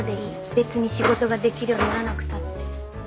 別に仕事ができるようにならなくたって。